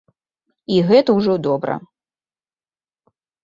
І гэта ўжо добра.